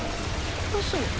うそ。